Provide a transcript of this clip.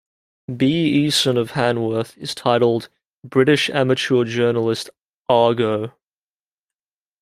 B. Easson of Hanworth is titled "British amateur journalist: Argo".